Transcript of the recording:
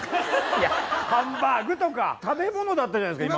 いやハンバーグとか食べ物だったじゃないですか